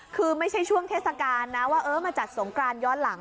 คือไม่ใช่ช่วงเทศกาลนะว่าเออมาจัดสงกรานย้อนหลัง